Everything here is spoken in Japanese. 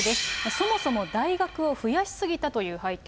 そもそも大学を増やし過ぎたという背景。